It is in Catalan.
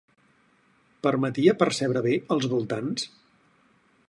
Permetia percebre bé els voltants?